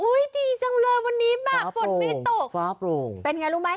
อุ้ยดีจังเลยวันนี้บ้าฝนไม่ตกฟ้าโปร่งฟ้าโปร่งเป็นไงรู้ไหม